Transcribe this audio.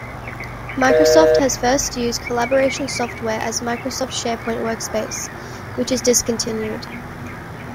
Microsoft has first used the collaboration software as Microsoft SharePoint Workspace, which is discontinued.